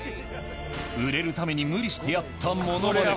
売れるために無理してやったものまね。